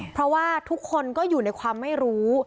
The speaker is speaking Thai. เพราะว่าทุกคนก็อยู่ในความไม่รู้